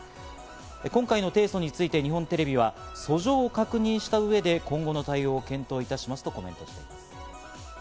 今回の提訴について日本テレビは、訴状を確認した上で今後の対応を検討いたしますとコメントしています。